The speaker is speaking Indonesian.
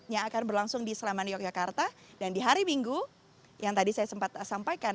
yang akan berlangsung di sleman yogyakarta dan di hari minggu yang tadi saya sempat sampaikan